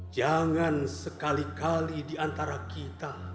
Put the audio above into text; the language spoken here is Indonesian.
jangan sekali kali diantara kita